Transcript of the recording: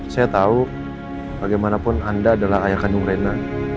saya tahu bagaimanapun anda adalah ayah kandung rena